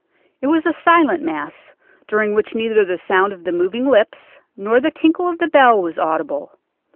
It was a silent Mass, during which neither the sound of the moving lips nor the tinkle of the bell was audible.